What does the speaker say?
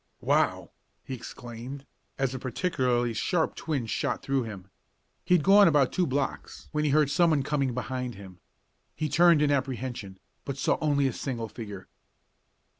"Wow!" he exclaimed, as a particularly sharp twinge shot through him. He had gone about two blocks when he heard someone coming behind him. He turned in apprehension, but saw only a single figure.